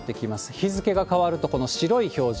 日付が変わるとこの白い表示。